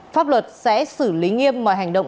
pháp luật sẽ xử lý nghiêm mọi hành động